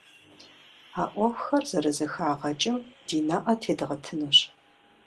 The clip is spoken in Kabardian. А Ӏуэхухэр зэрызэхагъэкӀым ди нэӀэ тедгъэтынущ.